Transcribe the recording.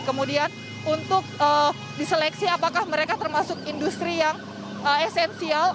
kemudian untuk diseleksi apakah mereka termasuk industri yang esensial